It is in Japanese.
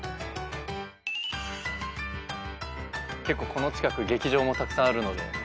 結構この近く劇場もたくさんあるので。